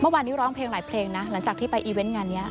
เมื่อวานนี้ร้องเพลงหลายเพลงนะหลังจากที่ไปอีเวนต์งานนี้